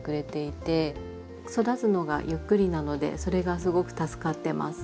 育つのがゆっくりなのでそれがすごく助かってます。